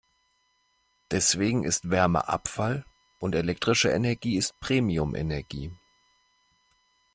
Deswegen ist Wärme Abfall und elektrische Energie ist Premium-Energie.